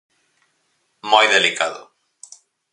Moi delicado.